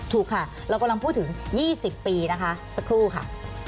ถูกค่ะเรากำลังพูดถึง๒๐ปีนะคะสักครู่ค่ะ